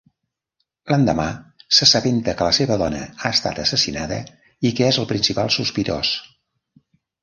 L'endemà, s'assabenta que la seva dona ha estat assassinada i que és el principal sospitós.